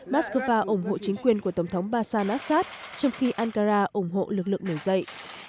moscow ủng hộ chính quyền của tổng thống bashar al assad trong khi ankara ủng hộ lực lượng nổi dậy